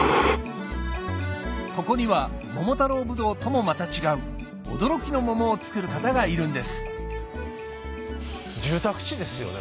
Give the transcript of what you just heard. ここには桃太郎ぶどうともまた違う驚きの桃をつくる方がいるんです住宅地ですよね